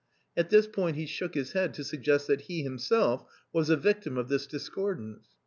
At this point he shook his head to suggest that he himself was a victim of this discordance.